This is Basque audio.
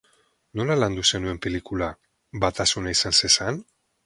Nola landu zenuen pelikula, batasuna izan zezan?